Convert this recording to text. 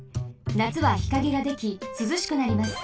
なつは日陰ができすずしくなります。